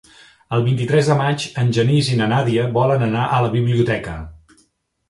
El vint-i-tres de maig en Genís i na Nàdia volen anar a la biblioteca.